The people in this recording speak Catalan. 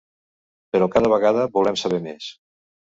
Però cada vegada volem saber més.